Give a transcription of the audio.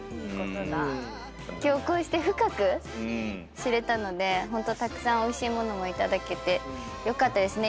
今日こうして深く知れたのでホントたくさんおいしい物もいただけてよかったですね。